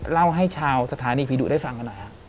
เล่าให้ชาวสถานีผีดุได้ฟังกันหน่อยฮะ